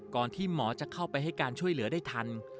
ที่หมอจะเข้าไปให้การช่วยเหลือได้ทัน